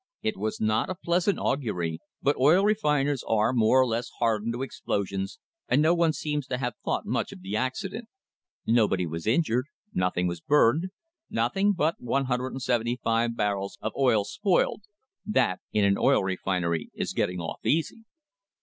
It was not a pleasant augury, but oil refiners are more or less hardened to explosions and no one seems to have thought much of the accident. Nobody was injured; nothing was burned, nothing but 175 barrels of oil spoiled; that, in an oil refinery, is getting off easy.